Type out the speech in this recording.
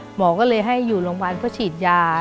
หมอก็เลยให้อยู่โรงพยาบาลเพื่อฉีดยา